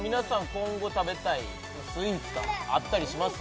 今後食べたいスイーツがあったりします？